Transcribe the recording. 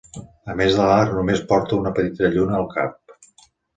A més de l'arc només porta una petita lluna al cap.